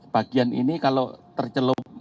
bagian ini kalau tercelup